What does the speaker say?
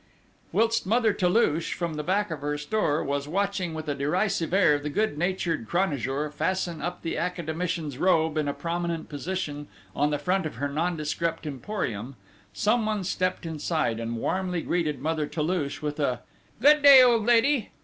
Whilst Mother Toulouche, from the back of her store, was watching with a derisive air the good natured Cranajour fasten up the Academician's robe in a prominent position on the front of her nondescript emporium, someone stepped inside, and warmly greeted Mother Toulouche with a: "Good day, old lady!"